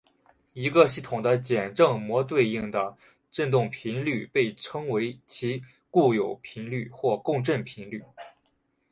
一个系统的简正模对应的振动频率被称为其固有频率或共振频率。